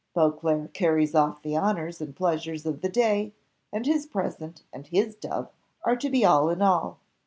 Beauclerc carries off the honours and pleasures of the day, and his present and his dove are to be all in all.